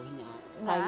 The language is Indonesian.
tuh ini airnya kena